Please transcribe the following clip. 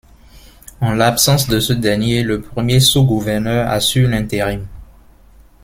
En l’absence de ce dernier, le premier Sous-gouverneur assure l’intérim.